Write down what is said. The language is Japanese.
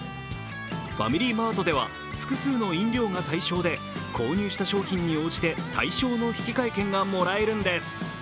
ファミリーマートでは複数の飲料が対象で、購入した商品に応じて対象の引換券がもらえるんです。